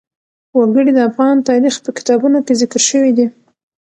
وګړي د افغان تاریخ په کتابونو کې ذکر شوی دي.